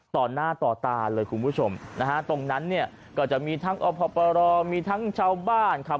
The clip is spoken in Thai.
ต่อหน้าต่อตาเลยคุณผู้ชมนะฮะตรงนั้นเนี่ยก็จะมีทั้งอพปรมีทั้งชาวบ้านครับ